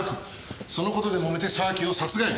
その事でもめて沢木を殺害。